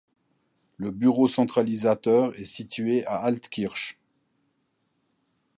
Le bureau centralisateur est situé à Altkirch.